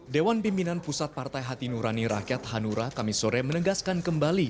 dewan pimpinan pusat partai hati nurani rakyat hanura kami sore menegaskan kembali